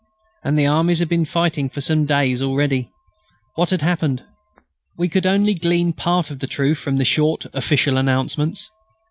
And the armies had been fighting for some days already. What had happened? We could only glean part of the truth from the short official announcements.